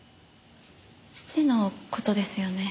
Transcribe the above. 父の事ですよね？